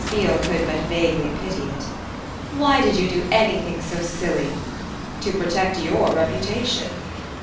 Beale could but vaguely pity it. "Why did you do anything so silly?" "To protect your reputation."